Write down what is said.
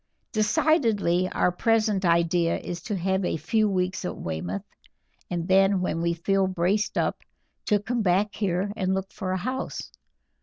"Decidedly our present idea is to have a few weeks at Weymouth, and then when we feel braced up to come back here and look for a house.